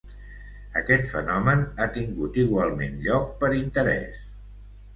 Aquest fenomen ha tingut igualment lloc per interès.